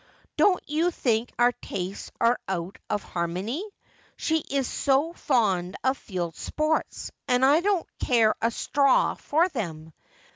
' Don't you think our tastes are out of harmony ! She is so fond of field sports, and I don't care a straw for them.